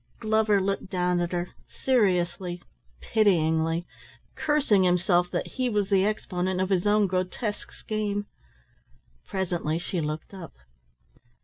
Glover looked down at her seriously, pityingly, cursing himself that he was the exponent of his own grotesque scheme. Presently she looked up.